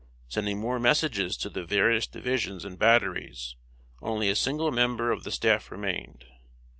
Sending more messages to the various divisions and batteries, only a single member of the staff remained.